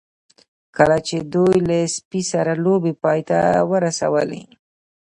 کله چې دوی له سپي سره لوبې پای ته ورسولې